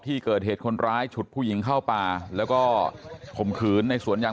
ที่เกิดเหตุคนร้ายฉุดผู้หญิงเข้าป่าแล้วก็ข่มขืนในสวนยาง